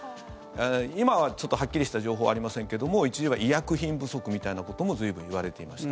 今はちょっとはっきりした情報はありませんけども一時は医薬品不足みたいなことも随分言われていました。